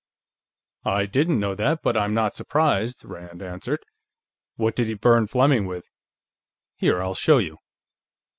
"I didn't know that, but I'm not surprised," Rand answered. "What did he burn Fleming with?" "Here; I'll show you."